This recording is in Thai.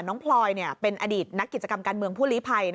พลอยเป็นอดีตนักกิจกรรมการเมืองผู้ลีภัย